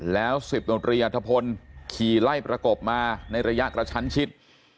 แล้ว๑๐ดนตรีอัธพลขี่ไล่ประกบมาในระยะกระชั้นชิด